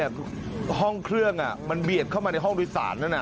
ก็ห้องเครื่องมันเบียดเข้ามาในห้องดุยสานนะ